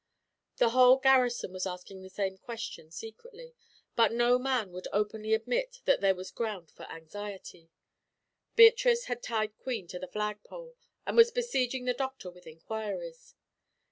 The whole garrison was asking the same question secretly; but no man would openly admit that there was ground for anxiety. Beatrice had tied Queen to the flag pole, and was besieging the Doctor with inquiries.